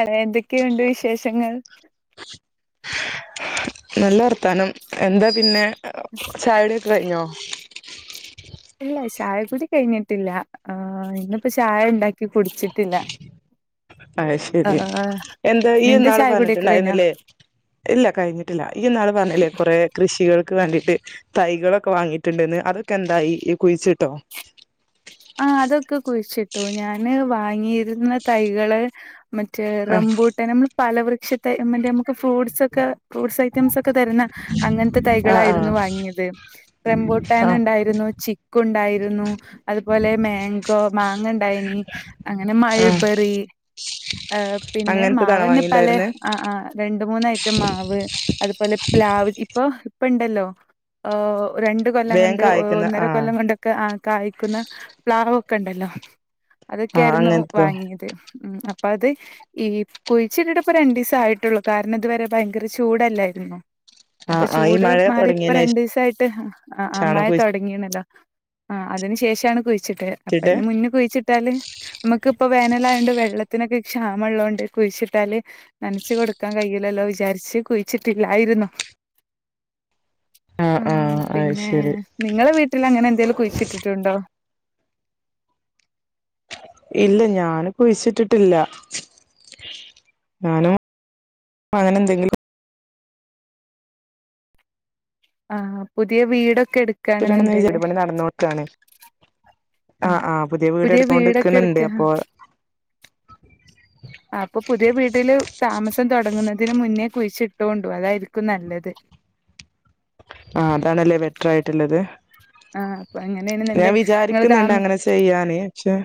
അത എന്തൊക്കെയുണ്ട് വിശേഷങ്ങൾ നല്ല വർത്താനം എന്താ പിന്നെ ചായുടിക്ക കഴിഞ്ഞോ ഇല്ല ചായ കുടി കഴിഞ്ഞിട്ടില്ല ആഹ് ഇന്നിപ്പോ ചായ ഉണ്ടാക്കി കുടിച്ചിട്ടില്ല ആ അയ്ശരി എന്താ ഈ നിന്റെ ഒന്നാള് ചായകുടിയൊക്കെ കഴിഞ്ഞോ പറഞ്ഞിട്ടുണ്ടായിരുന്നില്ലേ ഇല്ല കഴിഞ്ഞിട്ടില്ല ഈന്നാള് പറഞ്ഞില്ലേ കുറെ കൃഷികൾക്ക് വേണ്ടിയിട്ട് തൈകളൊക്കെ വാങ്ങിയിട്ടുണ്ടന്ന് അതൊക്കെ എന്തായി കുഴിച്ചിട്ടോ ആഹ് അതൊക്കെ കുഴിച്ചിട്ടു ഞാന് വാങ്ങിയിരുന്ന തൈകള് മറ്റേ ആ റംബൂട്ട് നമ്മൾ പല വൃക്ഷത്തെ മറ്റേ നമുക്ക് ഫ്രൂട്സ് ഒക്കെ ഫ്രൂട്ട്സ് ഐറ്റംസ് ഒക്കെ തരുന്ന അങ്ങനത്തെ ആ ആ തൈകളായിരുന്നു വാങ്ങിയത് റെബുട്ടാൻ ആ ഇണ്ടായിരുന്നു ചിക്ക് ക്കു ഇണ്ടായിരുന്നു അതുപോലെ മാങ്കോ മാങ്ങ ഇണ്ടായിനി അങ്ങനെ ആ മൾബെറി എഹ് പിന്നെ മാവ് അങ്ങനത്തതാണോ എന്നെ പലെ വാങ്ങിണ്ടായിരുന്നെ ആഹ് ആഹ് രണ്ട് മൂന്ന് അയിറ്റം മാവ് അത്പോലെ പ്ലാവ് ഇപ്പോ ഇപ്പ ഇണ്ടല്ലോ ആഹു രണ്ട് കൊല്ലം വേഗം കൊണ്ട് ഓഹ് കായ്ക്കുന്ന ഒന്നര ആ കൊല്ലം കൊണ്ട് ക്കെ ആഹ് കായ്ക്കുന്ന പ്ലാവ് ഒക്കെ ഇണ്ടല്ലോ അതൊക്കെ ആ ആയിരുന്നു അങ്ങനത്തതോ വാങ്ങിയെത് ഉം അപ് ഇപ്പ അത് ഈ കുഴിച്ച്ട്ട്ട്ട് ഇപ്പ രണ്ടീസം ആയിട്ടൊള്ളു കാരണം ഇത് വെരെ ഭയങ്കര ചൂട് അല്ലായിര്ന്നോ ആ അപ്പ ആ ഈ ചൂട് മഴ മാറി ഇപ്പ തുടങ്ങിയതിന് രണ്ടീസം ആയിട്ട് ആഹ് ശേഷാണോ മഴ തൊട്ങ്ങീണല്ലോ ആഹ് അതിന് ശേഷാണ് കുഴിച്ച് ഇട്ടെ അപ്പ കുഴിച്ചിട്ട് അയിന് മുന്നെ കുഴ്ച്ച് ട്ടാല് ഇമ്മെക്ക് ഇപ്പം വേനെൽ ആയോണ്ട് വെള്ളത്തിനൊക്കെ ക്ഷാമം ഇള്ളോണ്ട് കുഴ്ച്ച് ഇട്ടാൽ നന്ച്ച കൊട്ക്കാൻ കയ്യുല്ലല്ലോ വിചാര്ച്ച് കുഴിച്ച് ഇട്ടില്ലായിരുന്നു ആ ആ ഉം അത് പിന്നെ ശരി നിങ്ങളെ വീട്ടിൽ അങ്ങനെ എന്തെലും കുഴിച്ചിട്ടിട്ട് ഉണ്ടോ? ഇല്ല ഞാന് കുഴിച്ചിട്ടിട്ട് ഇല്ല ഞാനും അങ്ങനെ എന്തെങ്കിലും ആഹ് പുതിയ വീടൊക്കെ എട് ത്ത് ഇടെണംന്ന് വിചാ വീട് പണി നട്ന്നോക്കാണ് ആഹ് ആഹ് പുതെ വീട് പുതിയ എട്ത്തൊണ്ട് വീടൊക്കെ ഇക്ക്ണ് ഇണ്ട് എടുക്ക അപ്പൊ ആഹ് ആഹ് അപ്പൊ പുതെ വീട്ട്ൽ താമസം തൊടങ്ങ്ന്നതിന് മുന്നെ കുഴിച്ച് ഇട്ടൊണ്ടു അതായിരിക്കും നല്ലത് ആഹ് അതാണ് അല്ലെ ബെറ്റർ ആയിട്ട് ഇള്ളെത് ആഹ് അപ്പൊ ഞാൻ അങ്ങനെയാണെന്നുണ്ടെ നിങ്ങള് വിചാരിക്ക്ന്ന്ണ്ട് താമ അങ്ങനെ ചെ ചെയ്യാന് ക്ഷെ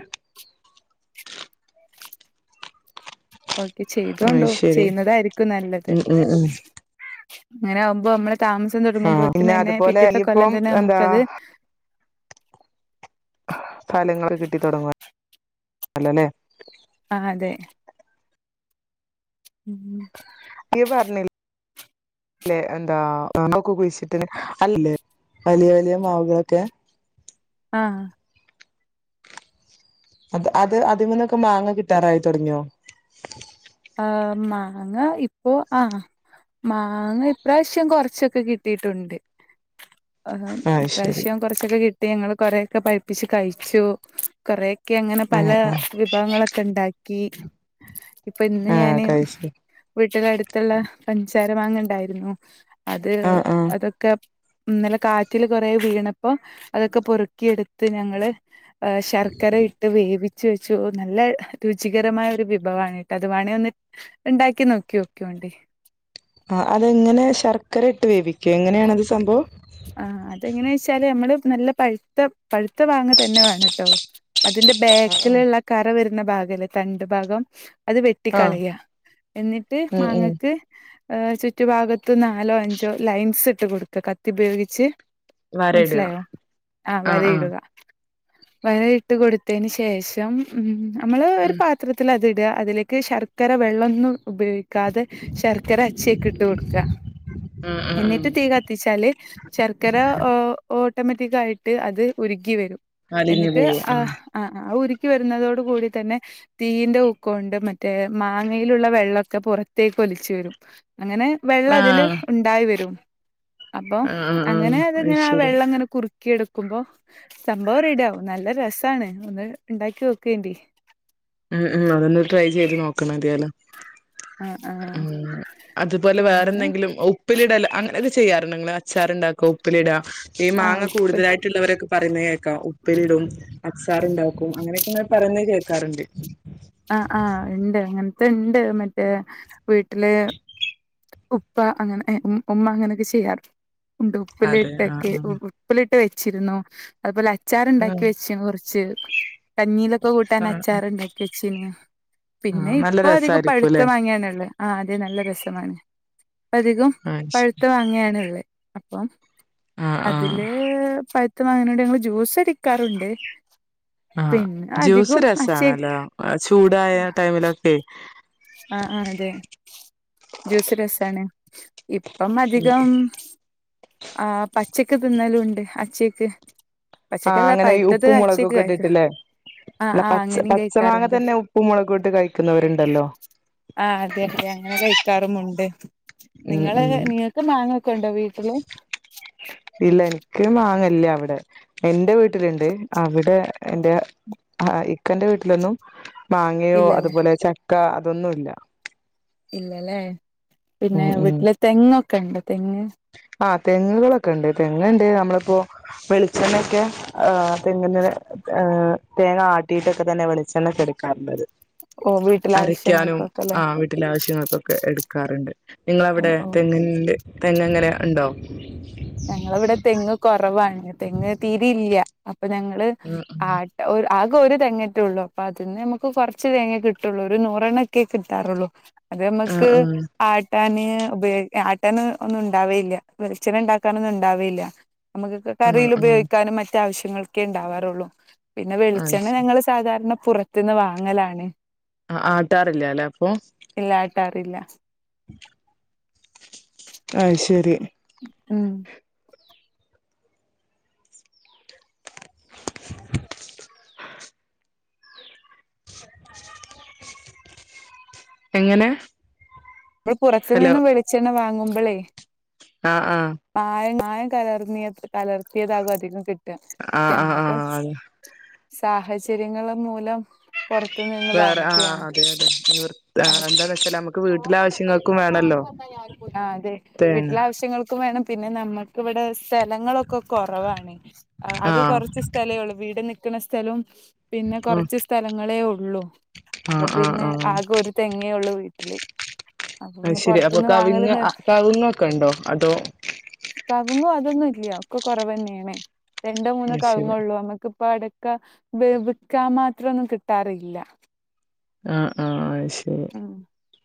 ഓക്കെ അത് ചെയ്തോണ്ടു ശരി ചെയ്യ്ന്നതായിരിക്കും നല്ലത് ഉം ഉം ഉം അങ്ങനെ ആവുമ്പം അമ്മളെ താമസം ആഹ് പിന്നെ തൊട്ങ്ങുമ്പോത്തിനെന്നെ അതുപോലെ പിറ്റെത്തെ കൊല്ലം തെന്നെ നമ്മുക്ക് അത് ഫലങ്ങളൊക്കെ കിട്ടി തൊടങ്ങോല്ലോ ലെ ആഹ് അതെ ഉം ഇയ്യ് പർണി ലെ എന്താ [unintelligible] ഒക്കെ കുഴ്ച്ചിട്ടിനി അല്ലെ വലിയ വലിയ മാവ്കൾ ഒക്കെ ആഹ് അത് അത് അതിമ്മെന്നൊക്കെ മാങ്ങ കിട്ടാറായി തൊട്ങ്ങിയോ ആഹ് മാങ്ങ ഇപ്പോ ആഹ് മാങ്ങ ഇപ്രാവ്ശ്യം കൊറച്ചൊക്കെ കിട്ടിട്ട് ഉണ്ട് ആഹ് ഹേമ് ഇപ്രാവ്ശ്യം കൊർച്ചൊക്കെ കിട്ടി ഞങ്ങൾ കൊറെ ഒക്കെ പഴ്പ്പിച്ച് കഴിച്ചു കൊറെ ക്കെ അങ്ങനെ പല ആഹ് ആഹ് വിഭവങ്ങളൊക്കെ ഇണ്ടാക്കി ഇപ്പം ഇന്ന് ആഹ് ഞാന് കഴിച്ച് വീട്ട്ന് അട്ത്ത് ഇള്ളെ പഞ്ചാര മാങ്ങ ഇണ്ടായിരുന്നു അത് ആഹ് ആഹ് അതൊ ക്കെ ഇന്നലെ കാറ്റില് കൊറെ വീണപ്പം അതൊക്കെ പൊറുക്കി എട്ത്ത് ഞങ്ങൾ ഏഹ് ശർക്കര ഇട്ട് വേവിച്ച് വെച്ചു നല്ല രുചികരമായ ഒരു വിഭവാണ് അത് വാണെ ഒന്ന് ഇണ്ടാക്കി നോക്കിയോക്കോയോണ്ടി ആഹ് അത് എങ്ങനെ ശർക്കര ഇട്ട് വേവിക്കെ എങ്ങനെയാണ് അത് സംഭവം ആഹ് അത് എങ്ങനെ ഓയിച്ചാല് നമ്മെൾനല്ല പഴ്ത്ത പഴ്ത്ത മാങ്ങ തെന്നെ വാണം ട്ടോ അതിന്റെ ആഹ് ബാക്ക്ൽ ആഹ് ഇള്ളെ കറ വെര്ന്ന ഭാഗം ഇല്ലെ തണ്ട് ഭാഗം അത് ആഹ് വെട്ടിക്കളയാ എന്നിട്ട് ഉം ഉം മാങ്ങെക്ക് ഏഹ് ചുറ്റു ഭാഗത്തും നാലോ അഞ്ചോ ലൈൻസ് ഇട്ട് കൊട്ക്കാ കത്തി ഉപയോഗിച്ച് വരയിടുക മൻസ്സിലായോ? ആഹ് വരയിടുക വര ഇട്ട് കൊട്ത്തെയിന് ശേഷം ഉം നമ്മെൾ ഒര് ഉം പ ത്രത്തിൽ അത് ഇടാ അതിലേക്ക് ശർക്കര വെള്ളം ഒന്നും ഉപയോഗി ക്കാതെ ശർക്കര അച്ചെക്കെ ഇട്ട് കൊട്ക്കാ ഉം ഉം ഉം എന്നിട്ട് തീ കത്തിച്ചാല് ശർക്കര ഓ ഓട്ടോമെറ്റിക് ആയിട്ട് അത് ഉര്കി വെരും അലിഞ്ഞു എന്നിട്ട് പോവും ആഹ് ആഹ് ഉരുക്കി വരുന്നതോട് കൂടി തന്നെ തീയിന്റെ ഊക്കൊണ്ട് മറ്റേ മാങ്ങയിലുള്ള വെള്ളൊക്കെ പുറത്തേക്ക് ഒലിച്ചു വരും അങ്ങനെ വെള്ളം ഇതിൽ ആഹ് ഉണ്ടായി വരും അപ്പൊ ആഹ് ആഹ് ആഹ് അങ്ങനെ അത് അതങ്ങനെ ആഹ് ശരി വെള്ളംങ്ങനെ കുറി ക്കി എടുക്കുമ്പോ സംഭവം റെഡിയാവും നല്ല രസാണ് ഒന്ന് ണ്ടാക്കി നോക്കെണ്ടി ഉം ഉം അതൊന്ന് ട്രൈ ചെയ്ത് നോക്കണം എന്തായാലും ആ ആ ഉം അതുപോലെ വേറെ പിന്നെ എന്തെങ്കിലും അവ് ഉപ്പിലിടൽ അങ്ങനെയൊക്കെ ചെയ്യാറുണ്ടോ ങ്ങള് അച്ചാറുണ്ടാക്കും ഉപ്പിലിട ഈ ആ മാങ്ങ ഉപ്പ് കൂടുതലായിട്ടുള്ളവരൊക്കെ പറയുന്നെ കേൾക്കാം ഉപ്പിലിടും അച്ചാർ ഇണ്ടാക്കും അങ്ങനെയൊക്കെങ്ങനെ പറയുന്ന കേൾക്കാറുണ്ട്. ആഹ് ആഹ് ഇണ്ട് അങ്ങനത്തെ ഇണ്ട് മറ്റേ വീട്ടില് ഉപ്പ അങ്ങനെ എ ഉ ഉമ്മ അങ്ങനൊക്കെ ചെയ്യാറ് ഉണ്ട് അതെ ആഹ് ഉപ്പിലിട്ടൊക്കെ ഉ ആഹ് ഉപ്പിലിട്ട് വെച്ചിരുന്നു അതുപോലെ അച്ചാർ ഇണ്ടാക്കി വെച്ച് കുറച്ച് കഞ്ഞീയിലൊക്കെ കൂട്ടാൻ ആഹ് ആഹ് അച്ചാറുണ്ടാക്കി വെച്ചിനു. പിന്നെ ആഹ് നല്ല ഇപ്പൊ അധികം രസായിരിക്കും പഴിത്ത അല്ലേ മാങ്ങയാണ്ള്ളേ. ആഹ് അതെ നല്ല രസമാണ്,. ഇപ്പം അധികും ആഹ് പഴുത്ത ശരി മാങ്ങയാണ് ഇള്ളേ അപ്പം ആഹ് ആഹ് അതില് പഴ്ത്ത മാങ്ങനോട്‌ ഞങ്ങള് ജ്യൂസ് അടിക്കാറുണ്ട് ആഹ് പിന്നെ ജ്യൂസ് അധികം അച്ചേ രസാണല്ലോ ചൂടായ ടൈമിലൊക്കെ ആഹ് ആഹ് അതെ ജ്യൂസ് രസാണ് ഇപ്പം അധികം ആഹ് പച്ചക്ക് തിന്നലും ഉണ്ട് അച്ചേക്ക് ആഹ് പച്ചക്കല്ല അങ്ങനെ ഈ പഴുത്തത് ഉപ്പും അച്ചേക്ക് മുളകൊക്കെ കഴിക്കും ഇട്ടിട്ട്ല്ലേ ആ അല്ല ആ പച്ച അങ്ങനെയും പച്ച മാങ്ങ കഴിക്കാറുണ്ട് തന്നെ ഉപ്പും മുളകും ഇട്ട് കഴിക്കുന്നോര്ണ്ടല്ലോ ആഹ് അതെ അതെ അങ്ങനെ കഴിക്കാറുമുണ്ട് ഉം നിങ്ങള് ഉം നിങ്ങൾക്ക് മാങ്ങഒക്കെ ഉണ്ടോ വീട്ടില് ഇല്ല എനിക്ക് മാങ്ങല്ല ഇല്ല അവിടെ എന്റെ വീട്ടിലുണ്ട് അവിടെ എന്റെ ഇക്കന്റെ വീട്ടിലൊന്നും മാങ്ങയോ ഇല്ലല്ലേ അതുപോലെ ചക്ക അതൊന്നുല്ല. ഇല്ലല്ലേ പിന്നെ ഉം ഉം വീട്ടില് തെങ്ങൊക്കെ ണ്ട് തെങ്ങ് ആഹ് തെങ്ങുകളൊക്കെ ണ്ട് തെങ്ങുണ്ട് നമ്മളിപ്പോ വെളിച്ചെണ്ണയൊക്കെ ആഹ് തെങ്ങു ന്ന് ഏ തേങ്ങ ആട്ടിട്ടൊക്കെ തന്നെ വെളിച്ചെണ്ണൊക്കെടുക്കാറുള്ളത് ഓ വീട്ടിലെ അരയ്ക്കാനും ആവശ്യങ്ങൾക്കൊക്കെല്ലേ ആഹ് ട്ടിലെ ആവശ്യങ്ങൾക്കൊക്കെ എടുക്കാറ്ണ്ട്, ഓ നിങ്ങളവിടെ ഓ തെങ്ങ് ണ്ട് തെങ്ങ് എങ്ങനെ ഇണ്ടോ? ഞങ്ങളവിടെ തെങ്ങ് കൊറവാണ് തെങ്ങ് തീരില്ല അപ്പൊ ഞങ്ങള് ഉം ആ ഉം ആകെ ഒരു തെങ്ങറ്റേ ഒള്ളൂ അപ്പൊ അതിന്ന് നമ്മുക്ക് കൊറച്ച് തേങ്ങേ കിട്ടുള്ളൂ ഒരു നൂറെണ്ണൊക്കെ കിട്ടാറുള്ളൂ. അത് ആഹ് നമ്മക്ക് ആഹ് ആട്ടാന് ഉപയോഗിക്കാൻ ആട്ടാന് ഒന്നും ഉണ്ടാവേയില്ല വെളിച്ചണ്ണ ഇണ്ട ണ്ടാക്കാനൊന്നും ഇണ്ടാവേല്ല്യ നമുക്കൊക്കെ ആഹ് കറിയിൽ ആഹ് ഉപയോഗിക്കാനും മറ്റ് ആവശ്യങ്ങൾക്കെ ഉണ്ടാവാറുള്ളു. പിന്നെ ആഹ് വെളിച്ചെണ്ണ ശരി ഞങ്ങള് സാധാരണ പുറത്തുന്ന് വാങ്ങലാണ്. ആഹ് ആട്ടാറില്ലാല്ലെ അപ്പൊ ഇല്ല ആട്ടാറില്ല. അയ്ശെരി. ഉം. എങ്ങനെ. വടെ ഹലോ പുറത്ത്നിന്ന് വെളിച്ചെണ്ണ വാങ്ങുമ്പോളേ ആഹ് ആഹ് മായം മായം കലർന്നിയത് കലർത്തിയതാകും അധികം കി ആഹ് ആഹ് ആ അതെ സാഹചര്യങ്ങള് മൂലം പൊറത്തുനിന്ന് വേറെ ആഹ് വാങ്ങിക്കുകയാണ് അതെ അതെ നിവർ എന്താന്ന് വെച്ചാല് നമുക്ക് വീട്ടിലെ ആവശ്യങ്ങൾക്കും വേണല്ലോ ആ അതെ തേങ്ങ വീട്ടിലെ ആവശ്യങ്ങൾ ക്ക് വേണം പിന്നെ നമ്മുക്ക് വിടെ സ്ഥലങ്ങളൊക്കെ കൊറവാണ് അകെ ആഹ് കൊറച്ച് സ്ഥലേള്ളൂ വീട് നിക്കുന്ന സ്ഥലവും പിന്നെ ഉം കൊറച്ച് സ്ഥലങ്ങളേ ഉള്ളു അപ്പൊ ആഹ് ആഹ് പിന്നെ ആഹ് ആകെ ഒരു തെങ്ങേ ഉള്ളു വീട്ടില് അപ്പൊ അഹ് പിന്നെ ശരി അപ്പൊ പുറത്തുന്ന് വാങ്ങല് കവിങ് നിർ അഹ് കവിങ്ങോക്കെ ണ്ടോ അതോ കവങ്ങോ അതൊന്നും ഇല്ല ഒക്കെ കൊറവ ന്നെണേ രണ്ടോ മൂന്നോ അത് ശരി കവങ്ങള്ളൂ നമ്മുക്കിപ്പ അട ക്കാ വി വിക്കാൻ മാത്രൊന്നും കിട്ടാറില്ല ആഹ് ആഹ് ഐ ശരി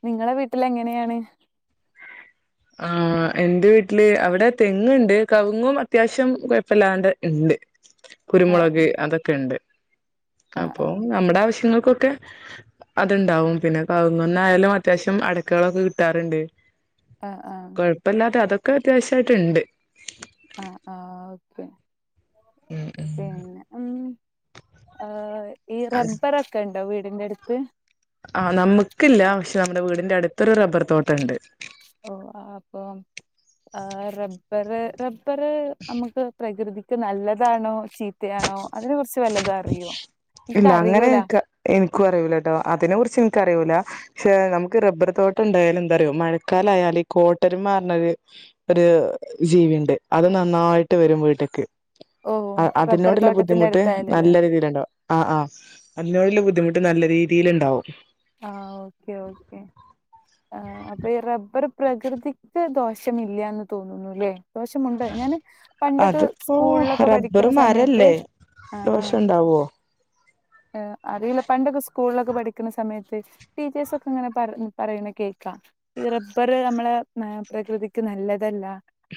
നിങ്ങളെ വീട്ടിൽ എങ്ങനെയാണ് ആഹ് എന്റെ വീട്ടില് അവിടെ തെങ്ങുണ്ട് കവുങ്ങും അത്യാവശ്യം കുഴപ്പല്ലാണ്ട് ണ്ട് ആ കുരുമുളക് അതൊക്കെ ണ്ട് ആ അപ്പൊ ആ നമ്മുടെ ആവശ്യങ്ങൾക്കൊക്കെ അത്ണ്ടാവും പിന്നെ കവുങ്ങുന്നയാലും അത്യാവശ്യം അടക്കകളൊക്കെ കിട്ടാറുണ്ട് ആഹ് ആഹ് കൊഴപ്പല്ലാതെ അതൊക്കെ അത്യാവശ്യയിട്ടുണ്ട് ആഹ് ആഹ് ഓക്കെ പിന്നെ ഉം എഹ് ഈ റബ്ബർ ക്കെ ണ്ടോ വീടിന്റെ അടുത്ത് ആഹ് നമുക്കില്ല പക്ഷെ നമ്മുടെ വീടിന്റെ അടുത്തൊരു റബ്ബർ തോട്ടംണ്ട് ഓഹ് ആഹ് പ്പം ആഹ് റബ്ബർ റബ്ബർ നമുക്ക് പ്രകൃതിക്ക് നല്ലതാണോ ചീ തയാണോ അതിനെ കുറിച്ച് വല്ലത ഇല്ല അങ്ങനെ എക്ക് എൻക്കും അറിയൂല ട്ടോ അതിനെ കുറിച്ച് എനിക്കറിയൂല പക്ഷേ നമുക്ക് റബ്ബർ തോട്ടം ണ്ടായാലും എന്താറോ മഴക്കാലായയാല് ഈ കോട്ടരുമ എന്നൊരു ഒരു ജീവി ണ്ട് അത് നന്നായിട്ട് വരു വീട്ട്ക്ക് ഓ അഹ് റബ്ബർ അതിനോട്ല്ല തോട്ടത്തിന്റെ ബുദ്ധിമുട്ട് അടുത്തായാലല്ലേ തീരണ്ടോ ആഹ് ആഹ് അതിനോടുള്ള ബുദ്ധിമുട്ട് നല്ല രീതീലുണ്ടാവും. ആഹ് ഓക്കെ ഓക്കേ ആഹ് അപ്പൊ ഈ റബ്ബർ പ്രകൃതിക്ക് ദോഷമില്ലാന്ന് തോന്നുന്നുല്ലേ? ദോഷമുണ്ട് ഞാന് പണ്ടൊക്കെ അതിപ്പോ സ്കൂളിലൊക്കെ പഠിക്കുന്ന സമയത്ത് ദോശണ്ടാവോ? ഹ് അറിയില്ല പണ്ടൊക്കെ സ്കൂളിലൊക്കെ പഠിക്കുന്ന സമയത്ത് ടീച്ചേഴ്സെക്കെങ്ങനെ പറ പറയുന്ന കേക്കാ. ഈ റബ്ബർ നമ്മളെ മെ പ്രകൃതിക്ക് നല്ലതല്ല.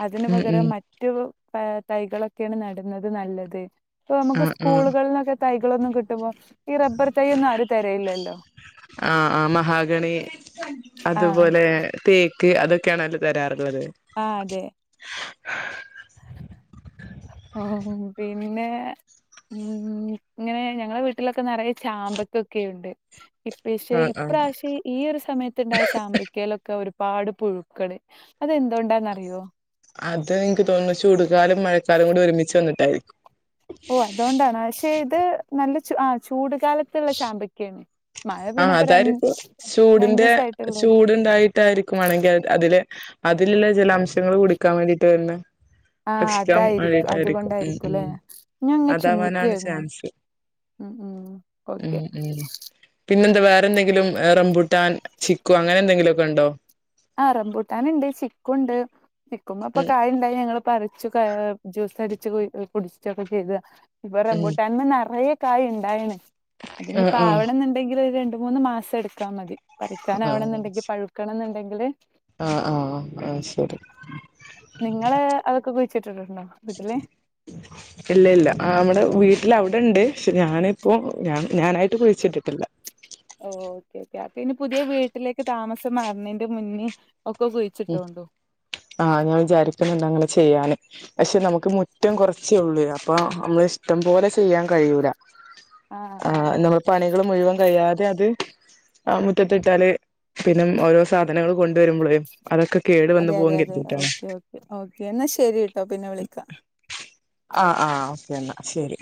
അതിനു ഉം ഉം പകരം മറ്റു പെ തൈകളൊക്കെയാണ് നടുന്നത് നല്ലത്. ഇപ്പൊ ആ നമുക്ക് ആ സ്കൂളുകളിന്നൊക്കെ തൈകളൊന്നും കിട്ടുമ്പോ ഈ റബ്ബർ തൈയ്യൊന്നും ആരും തരേല്ലല്ലോ. ആഹ് ആഹ് മഹാഗണി ആഹ് അതുപോലെ തേ ക്ക് അതൊക്കേണല്ലോ തരാറുള്ളത്. ആഹ് അതെ. ഓ ഹൊ ഹും പിന്നെ ഉംഉം ഇങ്ങനെ ഞങ്ങള വീട്ടിലൊക്കെ നറയെ ചാമ്പക്കൊക്കെണ്ട്. ഇ പെശെ ആ ആ ഇപ്രാശ്യയ് ഈയൊരു സമയത്തുണ്ടായ ചാമ്പക്കയിലൊക്കെ ഒരുപാട് പുഴുക്കള് അതെന്തൊണ്ടാന്നറിയോ? അത് ഇൻക്ക് തോന്നുണു ചൂടുകാലം മഴക്കാലകൂടി ഒരുമിച്ച് വന്നിട്ടായിരിക്കും. ഓഹ് അതോണ്ടാണോ അശെ ഇത് നല്ല ആഹ് ചൂടുക്കാലത്തുള്ള ചാമ്പക്കേണ്. ആഹ് അതാരിപ്പോ ചൂടിന്റെ രണ്ടീസായിട്ടുള്ളേ ചൂടുണ്ടായി ട്ടായിരിക്കും മാണെങ്കി അത് അതില് അതിലുള്ള ജലാംശങ്ങൾ കുടിക്കാൻ വേണ്ടിട്ട് വരുന്നെ. ആഹ് അതായിരിക്കു ഉം അതുകൊണ്ടായിരിക്കുല്ലേ ഉം ഞ ഇങ്ങെ അതാവാനാണ് ചിന്തിക്കുവായിരുന്നു. ചാൻസ് ഉം ഉം ഓക്കെ. പിന്നെന്ത വേറെന്തെങ്കിലും എഹ് റബുട്ടാൻ, ചിക്കു അങ്ങനെന്തെങ്കിലൊക്കെ ഉണ്ടോ? അഹ് റംബൂട്ടാനുണ്ട്, ചിക്കുണ്ട് ചിക്കുമ്മപ്പൊ ഉം കായ് യി ഞങ്ങള് പറിച്ചു കഅ് ജ്യൂസടിച്ച് കുയ് കുടിച്ചിട്ടൊക്കെ ചെയ്ത. ഇപ്പൊ ഉം റംബൂട്ടാൻമേ നെറയെ കായ് ഇണ്ടായിണ് ആ ആ അതിനിപ്പാവണെന്ന് ണ്ടെങ്കിൽ ഒരു രണ്ട് മൂന്ന് മാസം എടുക്കാ മതി ആ പറിക്കാനാവണന്നുണ്ടെങ്കി പഴുക്കണന്ന്ണ്ടെങ്കില് ആഹ് ആഹ് ആ ശരി. നിങ്ങള് അതൊക്കെ കുഴിച്ചിട്ടിട്ടുണ്ടോ വീട്ടില്? ഇല്ല ഇല്ല അമ്മേടെ വീട്ടിലവിടെണ്ട് പക്ഷെ ഞാനിപ്പോ ഞ ഞാനായിട്ട് കുഴിച്ചിട്ടിട്ടില്ല. ഓഹ് ഓക്കോക്കെ അ പിന്നെ പുതിയ വീട്ടിലേക്ക് താമസം മാറുന്നേന്റെ മുന്നെ ഒക്കെ ഉ കുഴിച്ചിട്ടോണ്ടു. ആഹ് ഞാൻ വിചാരിക്കുന്നുണ്ട് അങ്ങനെ ചെയ്യാന്. പക്ഷെ നമുക്ക് മുറ്റം കുറച്ചേള്ളൂ അപ്പൊമ്മളെ ഇഷ്ട്ടം പോലെ ചെയ്യാൻ കഴിയൂല. ആഹ് നമ്മൾ പണികൾ മുഴുവൻ കഴിയാതെ അത് ആ മുറ്റത്തിട്ടാല് പിന്നും ഓരോ സാധനങ്ങൾ കൊണ്ടുവരുമ്പളെ അതൊക്കെ കേട് അതെ അതെ അതെ ഓക്കേ ഓക്കേ ഓക്കേ എന്നാ ശരിട്ടൊ പിന്നെ വിളിക്കാ. ആഹ് ആഹ് ഓക്കെന്നാ ശരി.